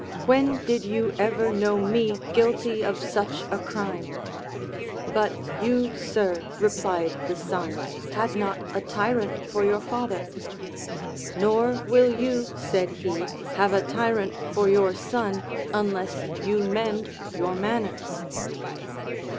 When did you ever know me guilty of such a crime ? But you, sir, replied the son, had not a tyrant for your father. Nor will you, said he, have a tyrant for your son, unless you mend your manners.